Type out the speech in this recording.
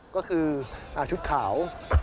ก็คือชุดขาว